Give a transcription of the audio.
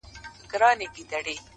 o ستادی ـستادی ـستادی فريادي گلي ـ